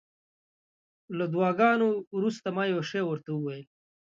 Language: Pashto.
له دعاګانو وروسته ما یو شی ورته وویل.